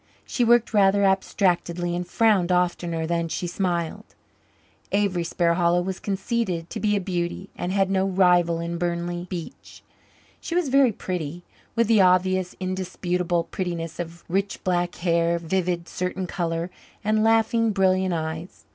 She worked rather abstractedly and frowned oftener than she smiled. Avery Sparhallow was conceded to be a beauty, and had no rival in Burnley Beach. She was very pretty, with the obvious, indisputable prettiness of rich black hair, vivid, certain colour, and laughing, brilliant eyes.